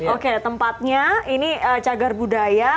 oke tempatnya ini cagar budaya